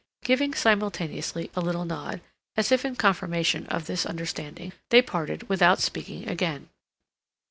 Giving simultaneously a little nod, as if in confirmation of this understanding, they parted without speaking again.